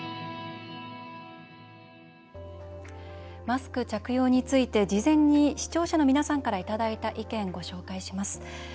マスク着用について事前に視聴者の皆さんからいただいた意見ご紹介します。